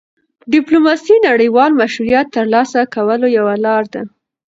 ډيپلوماسي د نړیوال مشروعیت ترلاسه کولو یوه لار ده.